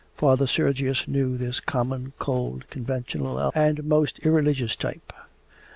Father Sergius knew this common, cold, conventional, and most irreligious type.